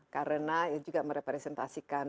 karena juga merepresentasikan